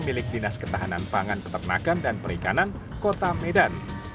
milik dinas ketahanan pangan peternakan dan perikanan kota medan